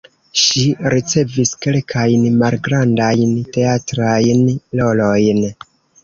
Ŝi ricevis kelkajn malgrandajn teatrajn rolojn.